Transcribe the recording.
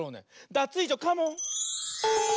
ダツイージョカモン！